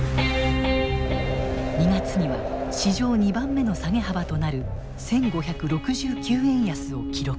２月には史上２番目の下げ幅となる１，５６９円安を記録。